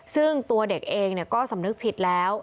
ซึ่งตัวเด็กเองก็สำนึกผิดแล้ว